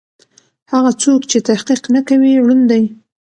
هغه څوک چې تحقيق نه کوي ړوند دی.